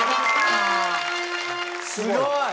すごい。